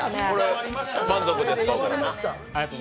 満足ですか？